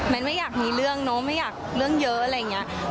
มันไม่อยากมีเรื่องเนอะไม่อยากเรื่องเยอะอะไรอย่างนี้